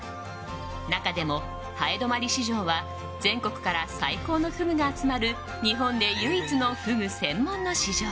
中でも南風泊市場は全国から最高のフグが集まる日本で唯一のフグ専門の市場。